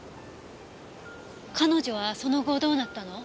彼女はその後どうなったの？